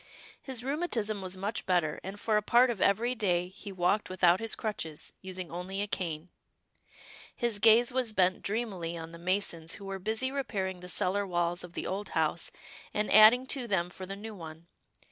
His 265 266 'TILDA JANE'S ORPHANS rheumatism was much better, and for a part of every day, he walked without his crutches, using only a cane. His gaze was bent dreamily on the masons who were busy repairing the cellar walls of the old house, and adding to them for the new one.